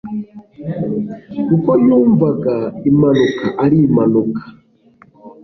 kuko yumvaga impanuka ari impanuka.